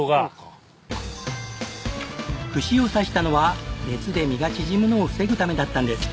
串を刺したのは熱で身が縮むのを防ぐためだったんです。